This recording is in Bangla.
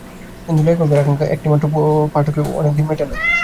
কিন্তু লেখকের আকাঙক্ষা একটিমাত্র পাঠকে অধিকদিন মেটে না।